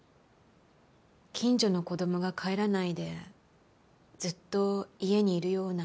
近所の子どもが帰らないでずっと家にいるような。